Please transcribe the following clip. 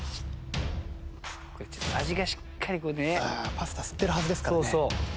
パスタ吸ってるはずですからね。